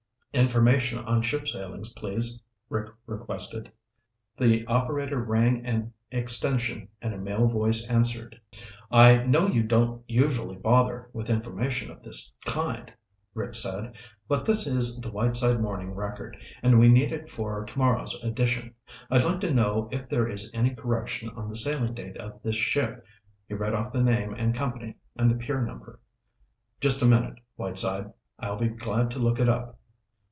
"Information on ship sailings, please," Rick requested. The operator rang an extension and a male voice answered. "I know you don't usually bother with information of this kind," Rick said, "but this is the Whiteside Morning Record and we need it for tomorrow's edition. I'd like to know if there is any correction on the sailing date of this ship." He read off the name and company and the pier number. "Just a minute, Whiteside. I'll be glad to look it up."